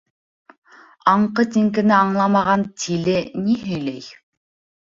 Аңҡы-тиңкене аңламаған тиле ни һөйләй!